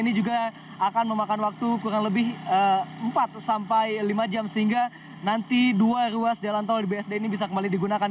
ini juga akan memakan waktu kurang lebih empat sampai lima jam sehingga nanti dua ruas jalan tol di bsd ini bisa kembali digunakan